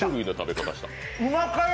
うまかや！